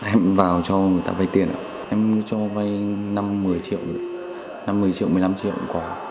em vào cho người ta vai tiền em cho vai năm một mươi triệu năm một mươi triệu một mươi năm triệu cũng có